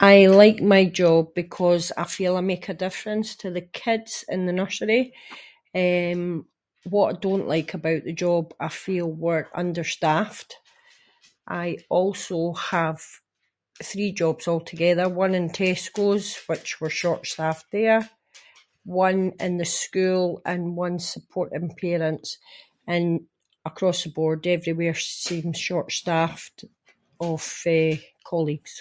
I like my job, because I feel I make a difference to the kids in the nursery, eh, what I don’t like about the job, I feel we’re understaffed, I also have three jobs altogether, one is Tesco’s, which we’re short staffed there, one in the school, and one supporting parents, and across the board everywhere seems short staffed of, eh, colleagues.